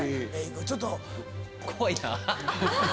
ちょっと。